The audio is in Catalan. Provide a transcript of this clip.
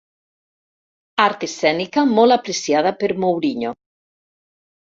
Art escènica molt apreciada per Mourinho.